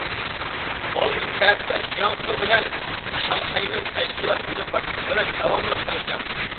ئالدىنقى ھەپتە، جياڭسۇ بىلەن شاڭخەينىڭ تەشكىلات بۆلۈم باشلىقلىرى داۋاملىق تەڭشەلدى.